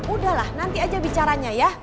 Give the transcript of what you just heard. udahlah nanti aja bicaranya ya